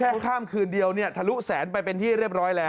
ข้ามคืนเดียวเนี่ยทะลุแสนไปเป็นที่เรียบร้อยแล้ว